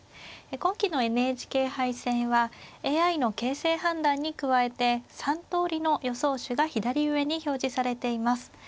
今期のＮＨＫ杯戦はＡＩの形勢判断に加えて３通りの予想手が左上に表示されています。